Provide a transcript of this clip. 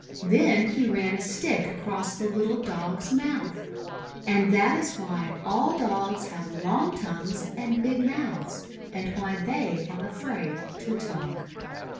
Then he ran a stick across the little Dog's mouth. And that is why all Dogs have long tongues and big mouths, and why they are afraid to talk.